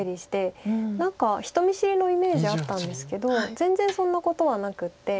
何か人見知りのイメージあったんですけど全然そんなことはなくって。